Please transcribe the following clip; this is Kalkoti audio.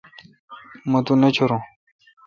مہ تو نہ چورو۔